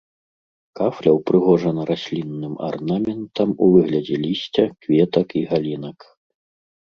Кафля ўпрыгожана раслінным арнаментам у выглядзе лісця, кветак і галінак.